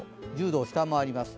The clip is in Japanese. １０度を下回ります。